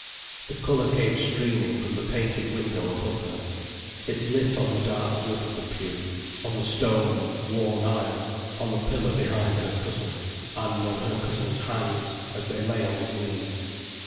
The colour came streaming from the painted window above her. It lit on the dark wood of the pew, on the stone, worn aisle, on the pillar behind her cousin, and on her cousin's hands, as they lay on his knees.